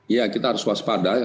ya kita harus waspada